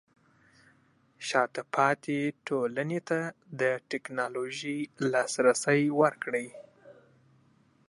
شاته پاتې ټولنې ته د ټیکنالوژۍ لاسرسی ورکړئ.